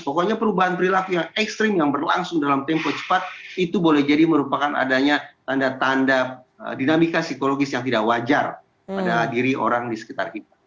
pokoknya perubahan perilaku yang ekstrim yang berlangsung dalam tempo cepat itu boleh jadi merupakan adanya tanda tanda dinamika psikologis yang tidak wajar pada diri orang di sekitar kita